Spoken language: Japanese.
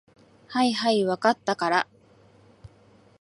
はいはい、分かったから。